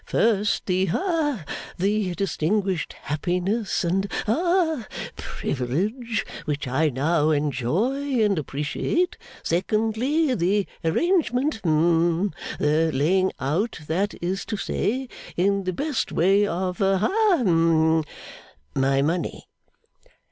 First, the ha the distinguished happiness and ha privilege which I now enjoy and appreciate; secondly, the arrangement hum the laying out, that is to say, in the best way, of ha, hum my money.